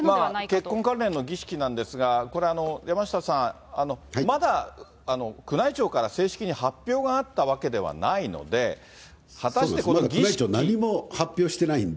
結婚関連の儀式なんですが、これ、山下さん、まだ、宮内庁から正式に発表があったわけではないので、何も発表してないので。